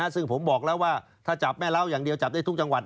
ซึ่งผมบอกแล้วว่าถ้าจับแม่เล้าอย่างเดียวจับได้ทุกจังหวัด